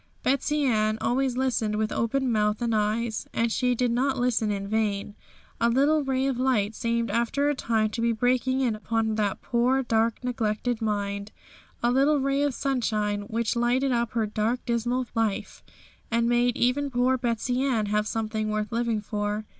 Betsey Ann always listened with open mouth and eyes. And she did not listen in vain; a little ray of light seemed, after a time, to be breaking in upon that poor, dark, neglected mind a little ray of sunshine, which lighted up her dark, dismal life, and made even poor Betsey Ann have something worth living for.